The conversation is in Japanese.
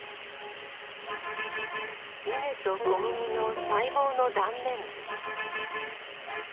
稲と小麦の細胞の断面図。